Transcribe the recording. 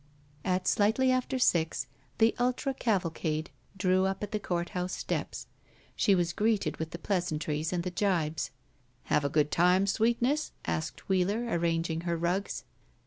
At slightly after six the ultra cavalcade drew up at the court house steps. She was greeted with the pleasantries and the gibes. "Have a good time, sweetness?" asked Wheeler, arranging her rugs.